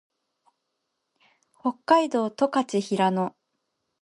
北海道十勝平野